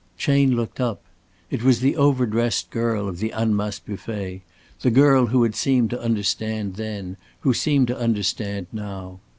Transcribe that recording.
Chayne looked up. It was the overdressed girl of the Annemasse buffet, the girl who had seemed to understand then, who seemed to understand now.